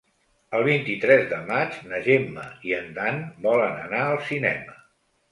El vint-i-tres de maig na Gemma i en Dan volen anar al cinema.